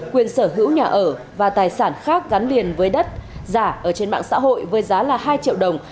quyền sở hữu nhà ở và tài sản khác gắn liền với đất giả ở trên mạng xã hội với giá là hai triệu đồng